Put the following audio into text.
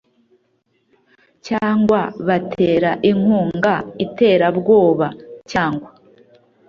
cyangwa batera inkunga iterabwoba cyangwa